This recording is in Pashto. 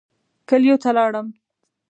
کلیو ته لاړم.